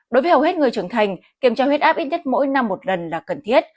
đối với hầu hết người trưởng thành kiểm tra huyết áp ít nhất mỗi năm một lần là cần thiết